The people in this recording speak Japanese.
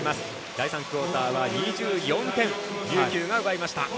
第３クオーターは２４点琉球が奪いました。